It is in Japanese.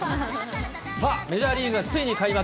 さあ、メジャーリーグはついに開幕。